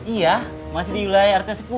iya masih diulai artinya sepuluh